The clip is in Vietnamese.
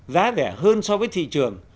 giá rẻ hơn so với thị trường